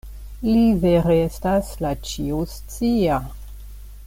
Li vere estas la Ĉio-Scia.